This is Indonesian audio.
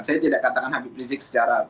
saya tidak katakan hpi prisik